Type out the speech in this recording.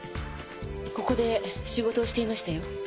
ここで仕事をしていましたよ。